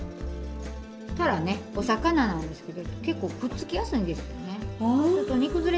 たらねお魚なんですけど結構くっつきやすいんですよね。